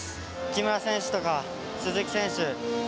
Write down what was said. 木村選手とか鈴木選手